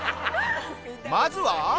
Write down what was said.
まずは。